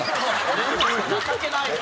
情けないな！